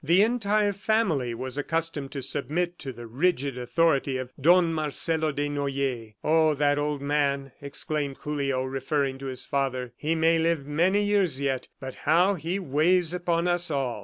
The entire family was accustomed to submit to the rigid authority of Don Marcelo Desnoyers. "Oh, that old man!" exclaimed Julio, referring to his father. "He may live many years yet, but how he weighs upon us all!"